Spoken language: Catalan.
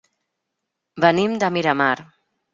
Venim de Miramar.